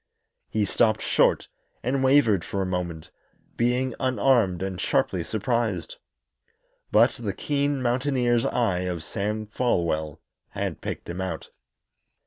He stopped short and wavered for a moment, being unarmed and sharply surprised. But the keen mountaineer's eye of Sam Folwell had picked him out.